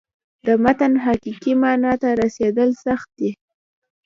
د متن حقیقي معنا ته رسېدل سخت دي.